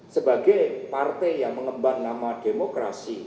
sebagai partai yang mengemban nama demokrasi